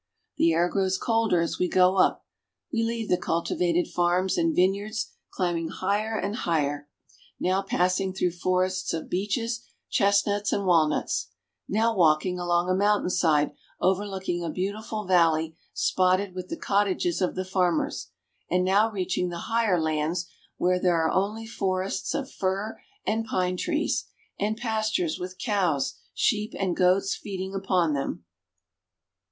The air grows colder as we go up. We leave the culti vated farms and vineyards, climbing higher and higher, THE ALPS. 253 now passing through forests of beeches, chestnuts, and walnuts ; now walking along a mountain side overlooking a beautiful valley spotted with the cottages of the farm ers; and now reaching the higher lands where there are Railroad up Mount Rigi. only forests of fir and pine trees, and pastures with cows, sheep, and goats feeding upon them.